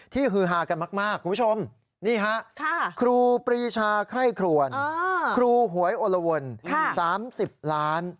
ฮือฮากันมากคุณผู้ชมนี่ฮะครูปรีชาไคร่ครวนครูหวยโอละวน๓๐ล้าน